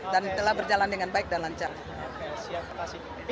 dan telah berjalan dengan baik dan lancar